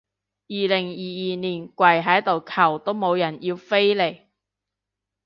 二零二二年跪喺度求都冇人要飛嚟